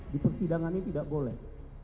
di persidangan ini tidak boleh